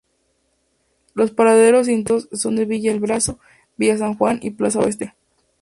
Los paraderos intermedios son Villa El Abrazo, Villa San Juan y Plaza Oeste.